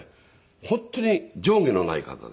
本当に上下のない方で。